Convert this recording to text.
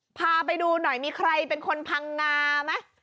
พาไปดูหน่อยมีใครเป็นคนพังงาไหม